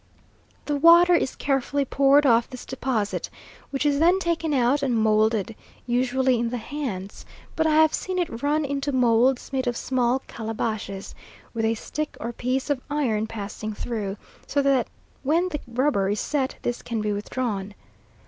The water is carefully poured off this deposit, which is then taken out and moulded, usually in the hands; but I have seen it run into moulds made of small calabashes with a stick or piece of iron passing through, so that when the rubber is set this can be withdrawn.